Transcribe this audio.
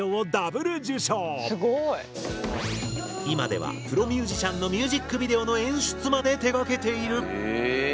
今ではプロミュージシャンのミュージックビデオの演出まで手がけている。